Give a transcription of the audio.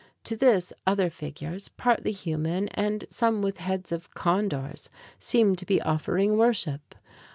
To this, other figures, partly human and some with heads of condors, seem to be offering worship.